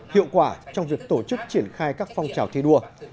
hiệu quả trong việc tổ chức triển khai các phong trào thi đua